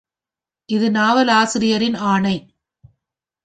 இது நாவலாசிரியரின் ஆணை.